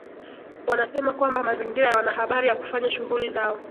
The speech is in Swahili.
wanasema kwamba mazingira ya wanahabari ya kufanya shughuli zao